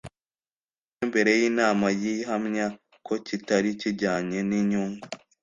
umunsi umwe mbere y’inama y’i ihamya ko kitari kijyanye n’inyungu